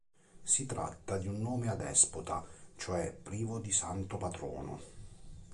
Si tratta di un nome adespota, cioè privo di santo patrono.